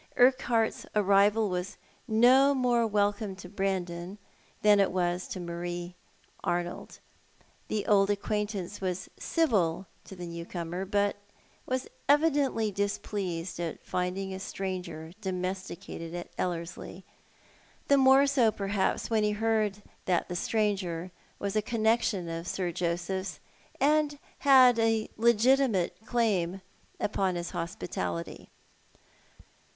Urquhart's arrival was no more welcome to Brandon than it was to Marie Arnold. The old acquaintance was civil to the new comer, but was evidently displeased at finding a stranger domesticated at Ellerslie ; the more so perhaps when he heard that the stranger was a connection of Sir Joseph's, and had a legitimate claim upon his hospitality.